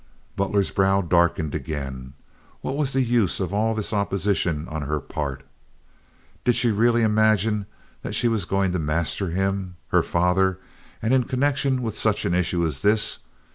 Butler's brow darkened again. What was the use of all this opposition on her part? Did she really imagine that she was going to master him—her father, and in connection with such an issue as this?